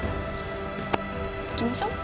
行きましょう。